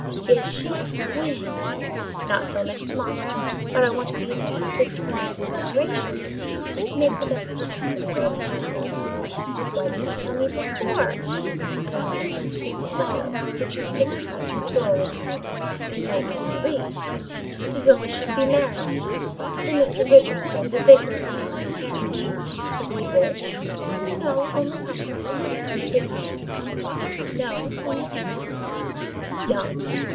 "Is she—when?" "Not till next month; but I want to be there to assist her in making preparations, and to make the best of her company while we have her." "Why didn't you tell me before?" "I've only got the news in this letter, which you stigmatize as dull and stupid, and won't let me read." "To whom is she to be married?" "To Mr. Richardson, the vicar of a neighbouring parish." "Is he rich?" "No; only comfortable." "Is he handsome?" "No; only decent." "Young?"